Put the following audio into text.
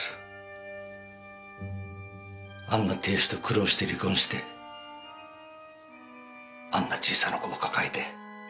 あんな亭主と苦労して離婚してあんな小さな子を抱えて。